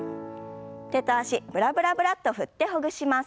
手と脚ブラブラブラッと振ってほぐします。